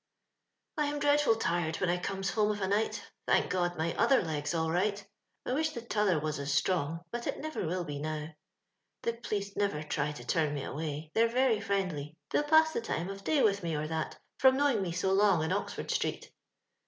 '* I am dreadful tired when I comes home of a night. Thank God my other leg's all right ! I wish the t'other was as strong, but it never will be now. "The police never try to turn me away; they're very friendly, they'll pass the time of day with me, or that, from knowing me so long in Oxford street.